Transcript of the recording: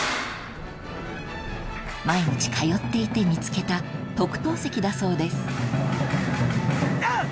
［毎日通っていて見つけた特等席だそうです］